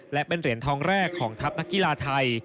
และเป็นเหรียญทองแรกของทัพนักกีฬาไทย